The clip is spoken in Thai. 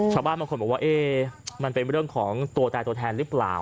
ชาวบ้านบางคนบอกว่ามันเป็นเรื่องของตัวตายตัวแทนหรือเปล่า